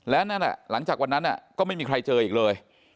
และนั่นแหละหลังจากวันนั้นก็ไม่มีใครเจออีกเลย